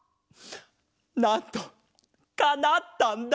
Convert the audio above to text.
なんとかなったんだ。